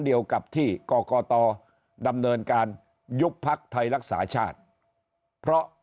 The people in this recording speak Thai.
เดียวกับที่กรกตดำเนินการยุบพักไทยรักษาชาติเพราะ